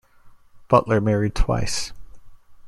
Butler married twice.